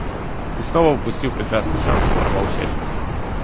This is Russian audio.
Ты снова упустил прекрасный шанс промолчать.